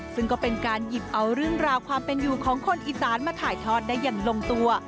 ซึ่งก็เป็นการหยิบเอาเรื่องราวความเป็นอยู่ของคนอีสานมาถ่ายทอดได้อย่างลงตัว